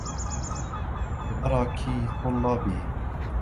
وَدَرَكِ طُلَّابِهِ